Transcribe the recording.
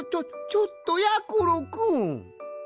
ちょっとやころくん！